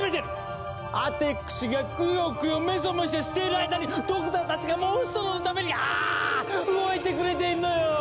アテクシがクヨクヨメソメソしている間にドクターたちがモンストロのためにあぁ動いてくれているのよ！